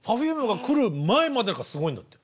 Ｐｅｒｆｕｍｅが来る前までがすごいんだって。